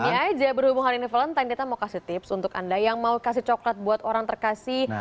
ini aja berhubungan dengan valentine kita mau kasih tips untuk anda yang mau kasih coklat buat orang terkasih